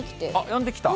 やんできた？